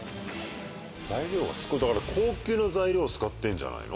材料がすごいだから高級な材料を使ってんじゃないの？